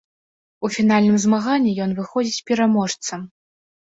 У фінальным змаганні ён выходзіць пераможцам.